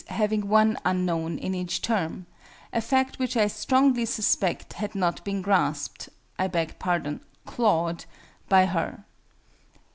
_ having one "unknown" in each term), a fact which I strongly suspect had not been grasped I beg pardon, clawed by her.